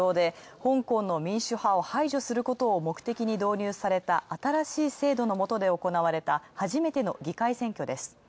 香港の民主派を排除することを目的に導入された新しい制度のもとで行われたはじめての議会選挙です。